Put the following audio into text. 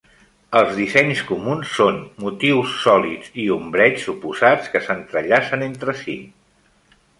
Els dissenys comuns són motius sòlids i ombreigs oposats que s'entrellacen entre si.